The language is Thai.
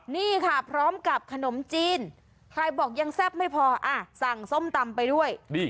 นี่ค่ะพร้อมกับขนมจีนใครบอกยังแซ่บไม่พอสั่งส้มตำไปด้วย